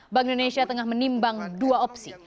bank indonesia tengah menimbang dua opsi